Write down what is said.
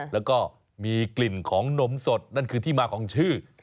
แล้วก็มีกลิ่นของนมสดนั่นคือที่มาของชื่อ